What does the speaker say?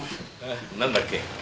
何だっけ？